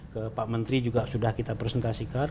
ke pak menteri juga sudah kita presentasikan